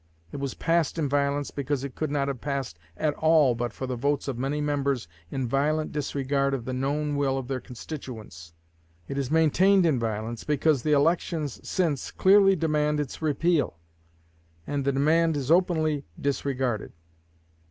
It was passed in violence, because it could not have passed at all but for the votes of many members in violent disregard of the known will of their constituents. It is maintained in violence, because the elections since clearly demand its repeal; and the demand is openly disregarded.